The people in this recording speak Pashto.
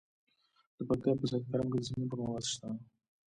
د پکتیا په سید کرم کې د سمنټو مواد شته.